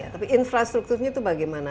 tapi infrastrukturnya itu bagaimana